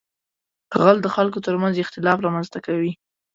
غل د خلکو تر منځ اختلاف رامنځته کوي